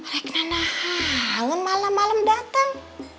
rekna nahan malam malam dateng